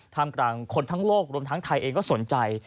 ทำกลางคนทั้งโลกรวมทั้งไทยเองก็สนใจ